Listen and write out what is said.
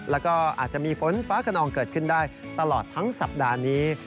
แล้วก็อาจจะมีฝนฟ้าขนองเกิดขึ้นได้ตลอดทั้งสัปดาห์นี้